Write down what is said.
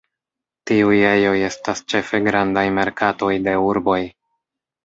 Tiuj ejoj estas ĉefe grandaj merkatoj de urboj.